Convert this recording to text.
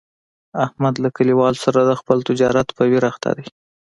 احمد له کلیوالو سره د خپل تجارت په ویر اخته دی.